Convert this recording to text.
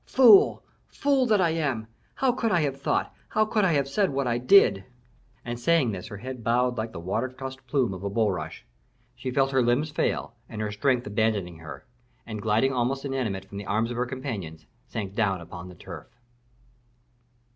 Fool, fool that I am! How could I have thought, how could I have said what I did?" And saying this her head bowed like the water tossed plume of a bulrush; she felt her limbs fail, and her strength abandoning her, and, gliding almost inanimate from the arms of her companions, sank down upon the turf.